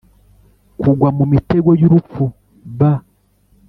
Kugwa Mu Mitego Y Urupfu B